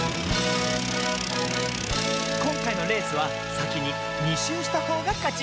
こんかいのレースはさきに２しゅうしたほうがかち。